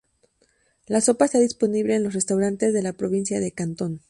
La sopa está disponible en los restaurantes de la provincia de Cantón.